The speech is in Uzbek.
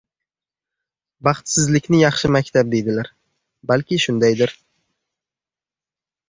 Baxtsizlikni yaxshi maktab deydilar, balki shundaydir.